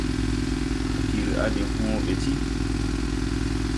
Pir a de hõõ bɛ ti.